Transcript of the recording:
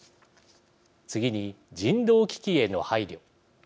次に人道危機への配慮。